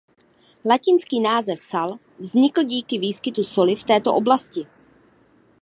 Latinský název "Sal" vznikl díky výskytu soli v této oblasti.